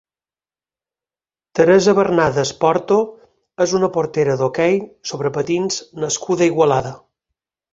Teresa Bernadas Porto és una portera d'hoquei sobre patins nascuda a Igualada.